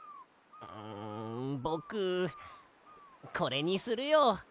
んぼくこれにするよ。